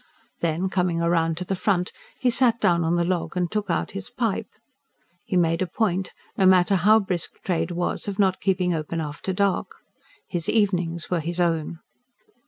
Then, coming round to the front, he sat down on the log and took out his pipe. He made a point, no matter how brisk trade was, of not keeping open after dark. His evenings were his own.